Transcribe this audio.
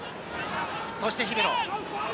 そして姫野。